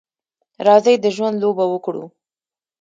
راځئ د ژوند لوبه وکړو.